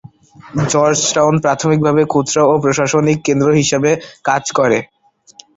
Georgetown প্রাথমিকভাবে খুচরা ও প্রশাসনিক কেন্দ্র হিসাবে কাজ করে।